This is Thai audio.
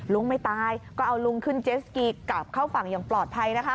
ไม่ตายก็เอาลุงขึ้นเจสกีกลับเข้าฝั่งอย่างปลอดภัยนะคะ